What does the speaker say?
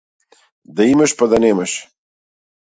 Да имаш па да немаш.